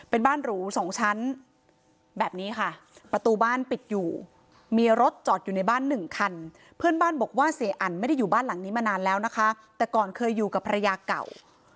เป็นบ้านหรูสองชั้นแบบนี้ค่ะประตูบ้านปิดอยู่มีรถจอดอยู่ในบ้านหนึ่งคันเพื่อนบ้านบอกว่าเสียอันไม่ได้อยู่บ้านหลังนี้มานานแล้วนะคะแต่ก่อนเคยอยู่กับภรรยาเก่า